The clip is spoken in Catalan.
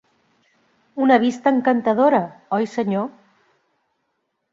Una vista encantadora, oi, senyor?